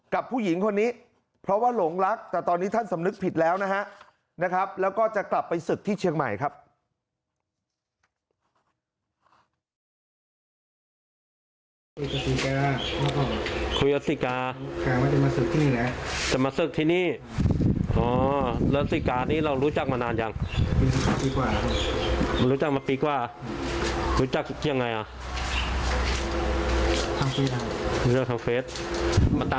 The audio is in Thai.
กับผู้หญิงคนนี้เพราะว่าหลงรักแต่ตอนนี้ท่านสำนึกผิดแล้วนะฮะแล้วก็จะกลับไปศึกที่เชียงใหม่ครับ